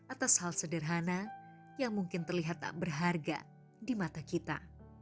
atas hal sederhana yang mungkin terlihat tak berharga di mata kita